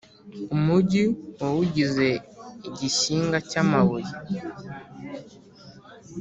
Umugi wawugize igishyinga cy’amabuye,